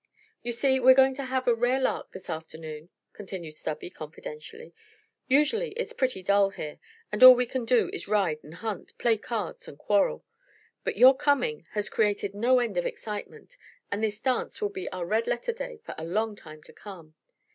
"You see, we're going to have a rare lark this afternoon," continued Stubby, confidentially. "Usually it's pretty dull here, and all we can do is ride and hunt play cards and quarrel. But your coming has created no end of excitement and this dance will be our red letter day for a long time to come.